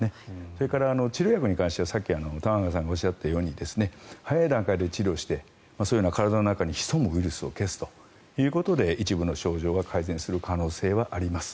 それから、治療薬に関しては玉川さんがおっしゃったように早い段階で治療して体の中に潜むウイルスを消すことで一部の症状は改善する可能性はあります。